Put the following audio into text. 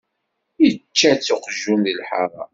Ičča-tt uqjun di lḥara.